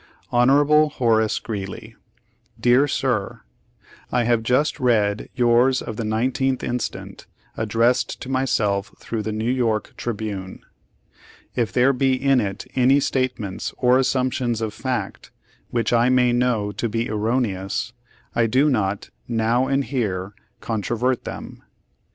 "Hon. Horace Greeley: "Dear Sir: I have just read yours of the 19th instant, addressed to myself through The New York Tribune. "If there be in it any statements or assumptions of fact which I may know to be erroneous, I do not now and here controvert them.